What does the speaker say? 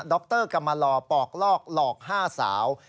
รกรรมลอปอกลอกหลอก๕สาว